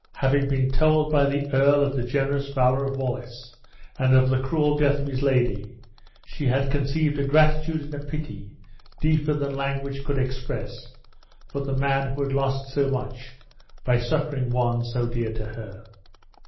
Having been told by the earl of the generous valor of Wallace, and of the cruel death of his lady, she had conceived a gratitude and a pity deeper than language could express, for the man who had lost so much by succoring one so dear to hear.